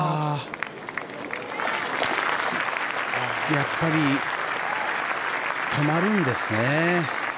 やっぱり止まるんですね。